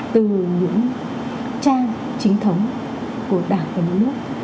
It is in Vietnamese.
từ những trang chính thống của đảng và nước